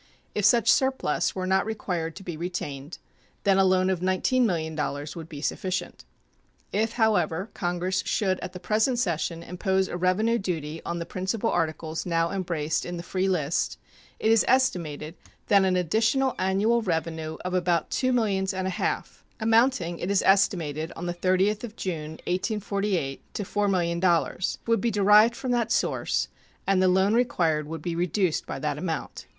If such surplus were not required to be retained, then a loan of $19,000,000 would be sufficient. If, however, Congress should at the present session impose a revenue duty on the principal articles now embraced in the free list, it is estimated that an additional annual revenue of about two millions and a half, amounting, it is estimated, on the 30th of June, 1848, to $4,000,000, would be derived from that source, and the loan required would be reduced by that amount.